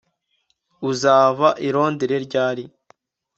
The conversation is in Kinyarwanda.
Uzava i Londres ryari